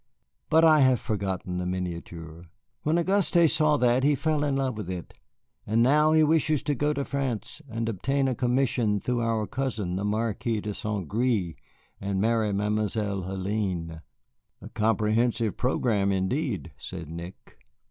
But I have forgotten the miniature. When Auguste saw that he fell in love with it, and now he wishes to go to France and obtain a commission through our cousin, the Marquis of Saint Gré, and marry Mademoiselle Hélène." "A comprehensive programme, indeed," said Nick.